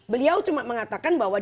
beliau cuma mengatakan bahwa